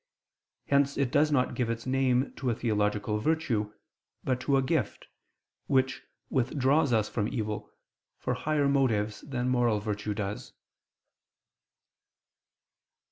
Hence it does not give its name to a theological virtue, but to a gift, which withdraws us from evil, for higher motives than moral virtue does.